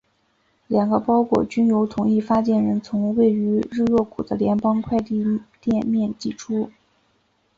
两个包裹均由同一发件人从位于日落谷的联邦快递店面寄出。